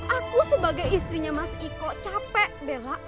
aku sebagai istrinya mas iko capek bella